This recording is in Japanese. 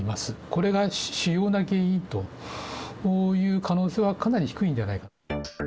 これが主要な原因という可能性はかなり低いんではないかと。